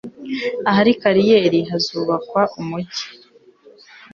Ahatakiri kariyeri hazubakwa umujyi